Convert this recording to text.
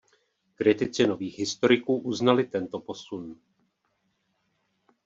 Kritici Nových historiků uznali tento posun.